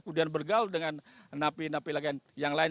kemudian bergaul dengan narapidana narapidana yang lain